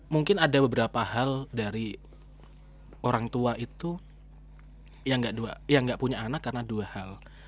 mungkin ada beberapa hal dari orang tua itu yang nggak punya anak karena dua hal